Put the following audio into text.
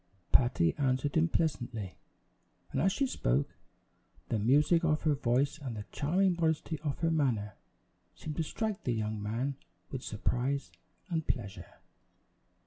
Patty answered him pleasantly, and as she spoke, the music of her voice and the charming modesty of her manner seemed to strike the young man with surprise and pleasure.